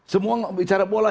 semua bicara bola